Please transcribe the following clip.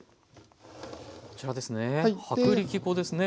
こちらですね